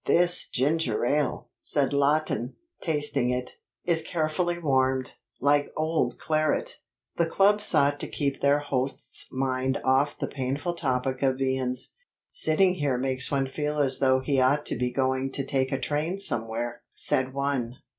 This ginger ale," said Lawton, tasting it, "is carefully warmed, like old claret." The club sought to keep their host's mind off the painful topic of viands. "Sitting here makes one feel as though he ought to be going to take a train somewhere," said one.